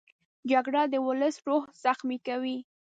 جګړه د ولس روح زخمي کوي